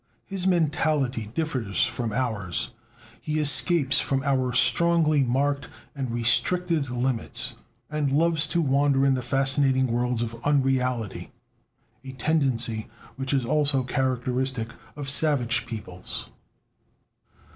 His mentality differs from ours; he escapes from our strongly marked and restricted limits, and loves to wander in the fascinating worlds of unreality, a tendency which is also characteristic of savage peoples.